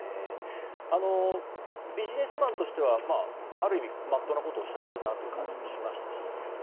ビジネスマンとしてはある意味まっとうなことをおっしゃっているなという感じもしましたし